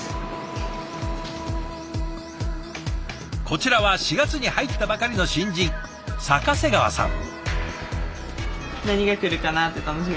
こちらは４月に入ったばかりの新人逆瀬川さん。